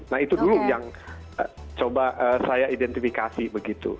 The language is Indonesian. nah itu dulu yang coba saya identifikasi begitu